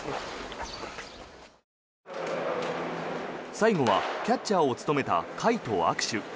最後はキャッチャーを務めた甲斐と握手。